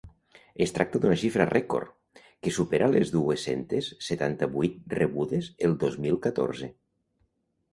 Es tracta d’una xifra rècord, que supera les dues-centes setanta-vuit rebudes el dos mil catorze.